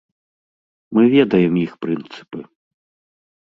Мы ведаем іх прынцыпы.